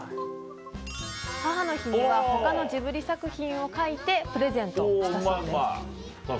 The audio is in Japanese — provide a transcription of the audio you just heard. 母の日には他のジブリ作品を描いてプレゼントしたそうです。